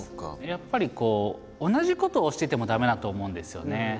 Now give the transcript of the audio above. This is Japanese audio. やっぱり同じことをしてても駄目だと思うんですよね。